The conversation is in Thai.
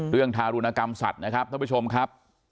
ทารุณกรรมสัตว์นะครับท่านผู้ชมครับ